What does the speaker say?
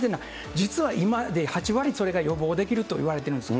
実は今で８割それが予防できるといわれてるんです。